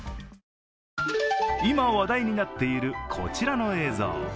今、話題になっているこちらの映像。